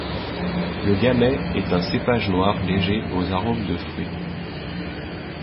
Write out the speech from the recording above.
Le gamay est un cépage noir léger aux arômes de fruit.